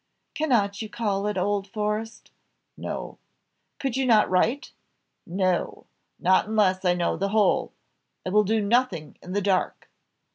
Cannot you call at Old Forest?" "No." "Could you not write?" "No not unless I know the whole. I will do nothing in the dark.